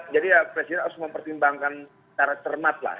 jadi ya presiden harus mempertimbangkan secara cermat lah